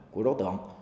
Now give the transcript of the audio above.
của đối tượng